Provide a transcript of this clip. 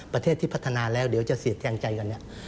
ประเทศที่พัฒนาแล้วเดี๋ยวจะเสียดแคลงใจกันเนี่ย